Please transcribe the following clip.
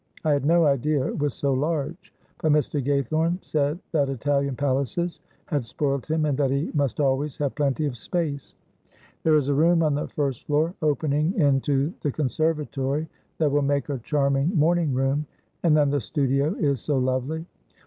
I had no idea it was so large, but Mr. Gaythorne said that Italian palaces had spoilt him, and that he must always have plenty of space. There is a room on the first floor opening into the conservatory that will make a charming morning room, and then the studio is so lovely.